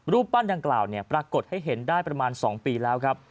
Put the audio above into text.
รูปปั้นดังกล่าวปรากฏให้เห็นได้ประมาณ๒ปีแล้วครับ